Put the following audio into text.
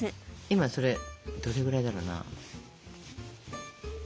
今それどれぐらいだろうな。